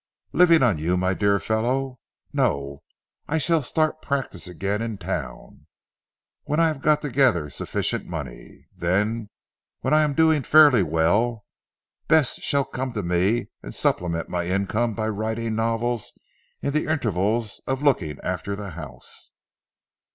"Living on you my dear fellow? No, I shall start practice again in Town, when I have got together sufficient money. Then when I am doing fairly well Bess shall come to me and supplement my income by writing novels in the intervals of looking after the house."